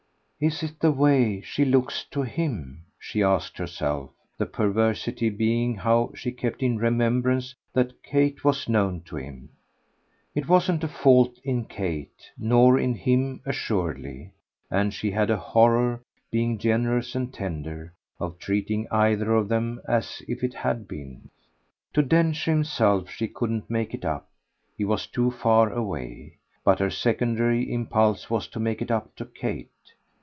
"Is it the way she looks to HIM?" she asked herself the perversity being how she kept in remembrance that Kate was known to him. It wasn't a fault in Kate nor in him assuredly; and she had a horror, being generous and tender, of treating either of them as if it had been. To Densher himself she couldn't make it up he was too far away; but her secondary impulse was to make it up to Kate.